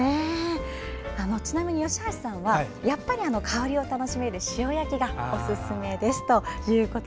ちなみに、吉橋さんはやっぱり香りを楽しめる塩焼きがおすすめですと。